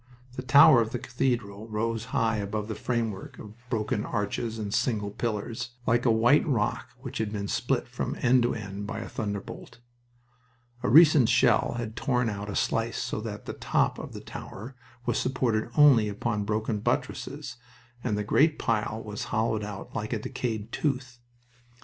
The tower of the cathedral rose high above the framework of broken arches and single pillars, like a white rock which had been split from end to end by a thunderbolt. A recent shell had torn out a slice so that the top of the tower was supported only upon broken buttresses, and the great pile was hollowed out like a decayed tooth.